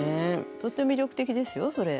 とっても魅力的ですよそれ。